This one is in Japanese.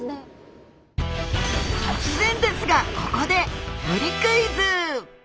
突然ですがここでブリクイズ！